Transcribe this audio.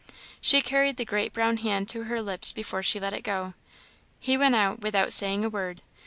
She carried the great brown hand to her lips before she let it go. He went, without saying a word.